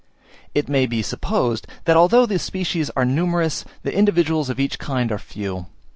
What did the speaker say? It may be supposed that although the species are numerous, the individuals of each kind are few.